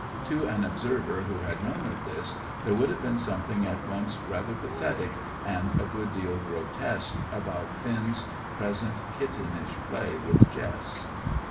To an observer who had known of this, there would have been something at once rather pathetic and a good deal grotesque about Finn's present kittenish play with Jess.